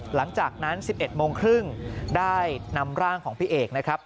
หลังจากนั้น๑๑โมงครึ่งได้นำร่างของพี่เอกนะครับ